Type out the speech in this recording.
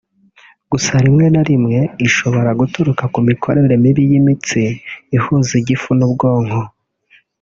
Gusa rimwe na rimwe ishobora guturuka ku mikorere mibi y’imitsi ihuza igifu n’ubwonko